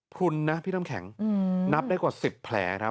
พลุนนะพี่น้ำแข็งนับได้กว่า๑๐แผลครับ